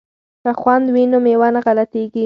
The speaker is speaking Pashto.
که خوند وي نو مېوه نه غلطیږي.